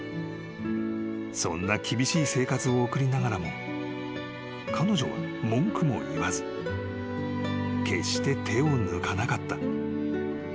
［そんな厳しい生活を送りながらも彼女は文句も言わず決して手を抜かなかった］